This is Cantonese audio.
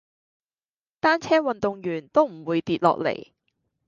單車運動員都唔會跌落嚟